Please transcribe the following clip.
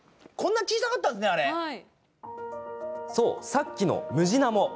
そう、さっきのムジナモ。